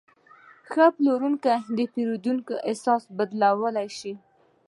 ښه پلورونکی د پیرودونکي احساس بدلولی شي.